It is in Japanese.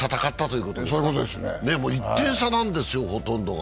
もう１点差なんですよ、ほとどが。